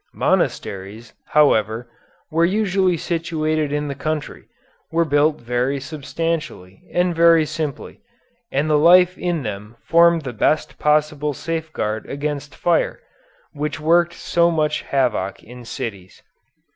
Monasteries, however, were usually situated in the country, were built very substantially and very simply, and the life in them formed the best possible safeguard against fire, which worked so much havoc in cities.